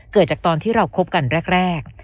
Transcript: เกิดจากตอนที่เราคบกันแรก